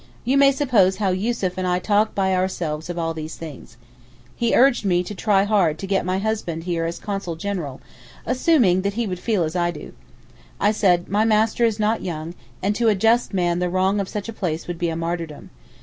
You may suppose how Yussuf and I talk by ourselves of all these things. He urged me to try hard to get my husband here as Consul General—assuming that he would feel as I do. I said, my master is not young, and to a just man the wrong of such a place would be a martyrdom.